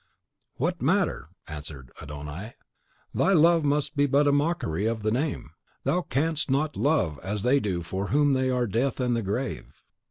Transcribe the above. "What matter!" answered Adon Ai. "Thy love must be but a mockery of the name; thou canst not love as they do for whom there are death and the grave.